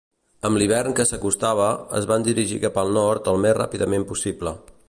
Amb l'hivern que s'acostava, es van dirigir cap al nord al més ràpidament possible.